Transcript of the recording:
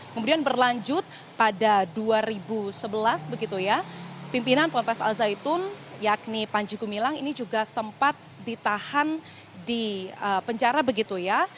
kemudian berlanjut pada dua ribu sebelas begitu ya pimpinan ponpes al zaitun yakni panji gumilang ini juga sempat ditahan di penjara begitu ya